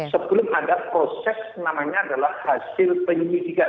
sebelum ada proses namanya adalah hasil penyelidikan